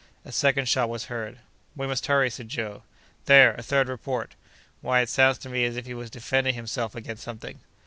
A second shot was heard. "We must hurry!" said Joe. "There! a third report!" "Why, it sounds to me as if he was defending himself against something."